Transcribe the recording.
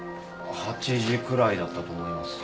８時くらいだったと思います。